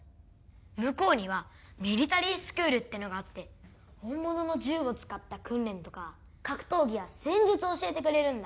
向こうにはミリタリースクールっていうのがあって、本物の銃を使った訓練とか、格闘技や戦術を教えてくれるんだ。